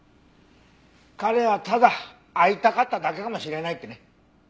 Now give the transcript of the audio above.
彼はただ会いたかっただけかもしれないってね。